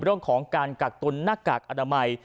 เรื่องของการกักตุนหน้ากากอนามัย